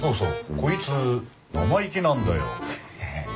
こいつ生意気なんだよへへっ。